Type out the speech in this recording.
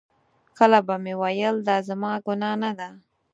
کله به مې ویل دا زما ګناه نه ده.